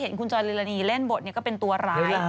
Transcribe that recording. ได้เห็นคุณจอยริรณีเล่นบทก็เป็นตัวร้าย